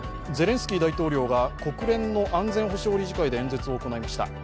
ゼレンスキー大統領が国連の安全保障理事会で演説を行いました。